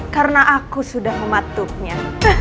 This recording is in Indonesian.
karena aku sudah mematuknya